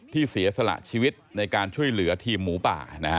เสียสละชีวิตในการช่วยเหลือทีมหมูป่า